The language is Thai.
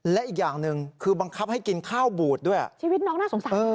และอีกอย่างหนึ่งคือบังคับให้กินข้าวบูดด้วยชีวิตน้องน่าสงสาร